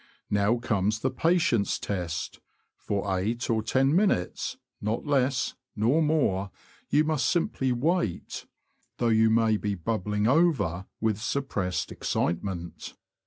Now comes the patience test : for eight or ten minutes, not less nor more, you must simply wait, though you may be bubbling over with suppressed excitement.